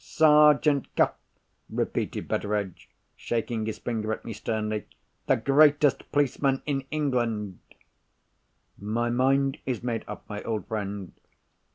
Sergeant Cuff!" repeated Betteredge, shaking his forefinger at me sternly. "The greatest policeman in England!" "My mind is made up, my old friend.